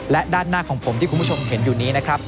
และด้านหน้าของผมที่คุณผู้ชมเห็นอยู่นี้นะครับ